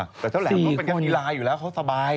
แต่เจ้าแหลมก็เป็นการฟีลายอยู่แล้วเขาสบาย